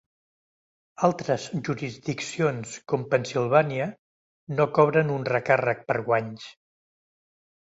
Altres jurisdiccions com Pennsilvània no cobren un recàrrec per guanys.